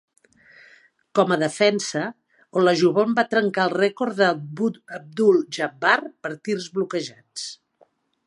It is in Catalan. Com a defensa, Olajuwon va trencar el rècord d'Abdul-Jabbar per tirs bloquejats.